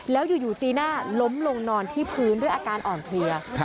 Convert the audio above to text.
แล้วอยู่จีน่าล้มลงนอนที่พื้นด้วยอาการอ่อนเพลีย